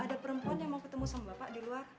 ada perempuan yang mau ketemu sama bapak di luar